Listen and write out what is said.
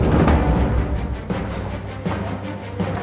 kebosokan pasti akan tercium juga